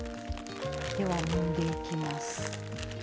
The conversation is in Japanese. ではもんでいきます。